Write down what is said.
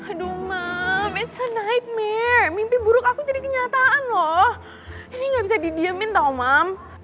aduh mam it's a nightmare mimpi buruk aku jadi kenyataan loh ini gak bisa didiemin tau mam